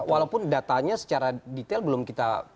walaupun datanya secara detail belum kita